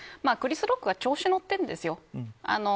クリス・ロックは調子に乗ってるんですよ。